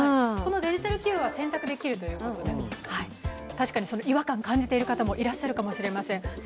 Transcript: デジタル給与は選択できるということで確かに違和感を感じていらっしゃる方もいるかもしれません。